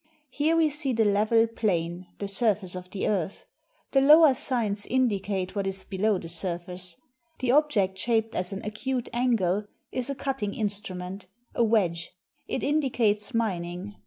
Here we see the level plain — the surface of the earth. The lower signs indicate what is below the surface. The object shaped as an acute angle is a cutting instrument — a wedge; it indicates mining.